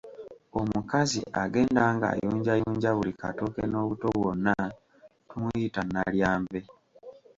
Omukazi agenda ngayunjayunja buli katooke n’obuto bwonna tumuyita Nalyambe.